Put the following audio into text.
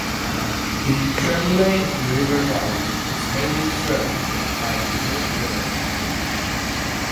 The Tremblay river valley is mainly served by the English river path.